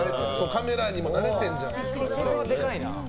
カメラにも慣れてるんじゃ。